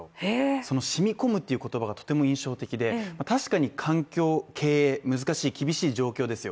その染み込むという言葉がとても印象的で確かに環境経営難しい厳しい状況ですよ。